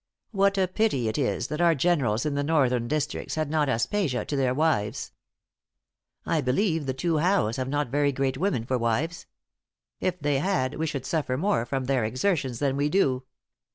What a pity it is that our generals in the northern districts had not Aspasias to their wives. "I believe the two Howes have not very great women for wives. If they had, we should suffer more from their exertions than we do.